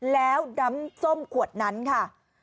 แล้วน้ำส้มขวดนั้นค่ะ